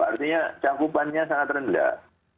artinya cangkupannya sangat rendah